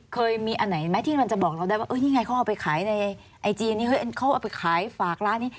เคยมีอันไหนไหมที่มันจะบอกเราได้ว่านี่ไงเขาเอาไปขายในไอจีนี้เขาเอาไปขายฝากร้านนี้